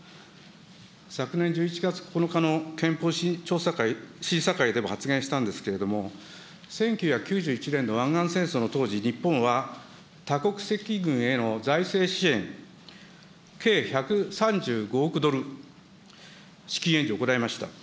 昨年１１月９日の憲法調査会、審査会でも発言したんですけれども、１９９１年の湾岸戦争の当時、日本は、多国籍軍への財政支援、計１３５億ドル、資金援助を行いました。